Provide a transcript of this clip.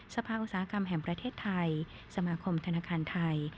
สภาอุตสาหกรรมแห่งประเทศไทยสมาคมธนาคารไทย